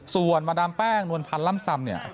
ส่วนมาดามแป้งนวลพันธุ์ล่ำซำ